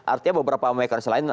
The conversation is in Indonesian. artinya beberapa mekanisme lain